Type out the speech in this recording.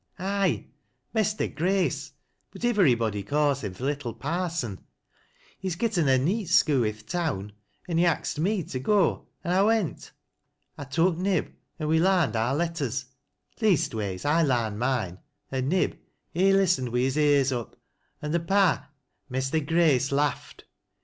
"Aye — Mester Grace — but ivverybody ca's him th' little Parson. He's getten a neet skoo i' th' town, an' he axed me to go, an' I went. I took Nib an' we lamed oui letters ; leastways I larned mine, an' Nib he listened wi' his ears up, an' th' Par — Mester Grace laffed.